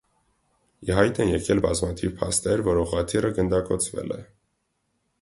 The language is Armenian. Ի հայտ են եկել բազմաթիվ փաստեր, որ ուղղաթիռը գնդակոծվել է։